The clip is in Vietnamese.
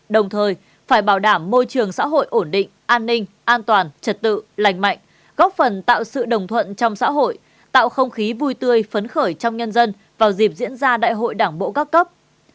đồng thời phải bảo đảm môi trường xã hội ổn định an ninh an toàn trật tự lành mạnh góp phần tạo sự đồng thuận trong xã hội tạo không khí vui tươi phấn khởi trong nhân dân vào dịp diễn ra đại hội đảng bộ các cấp